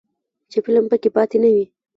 چې فلم پکې پاتې نه وي.